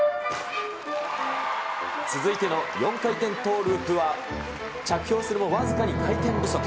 続いての４回転トーループは着氷するも、僅かに回転不足。